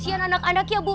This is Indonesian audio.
anak anak ya bu